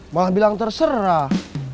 malah bilang terserah